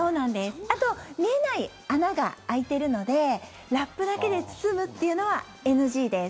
あと見えない穴が開いてるのでラップだけで包むというのはＮＧです。